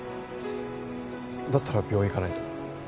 だったら病院行かないと。